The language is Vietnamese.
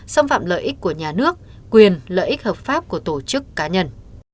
xâm phạm lợi ích của nhà nước quyền lợi ích hợp pháp của tổ chức cá nhân